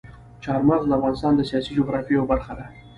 چار مغز د افغانستان د سیاسي جغرافیې یوه برخه ده.